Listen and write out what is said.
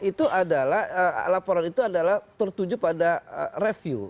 itu adalah laporan itu adalah tertuju pada review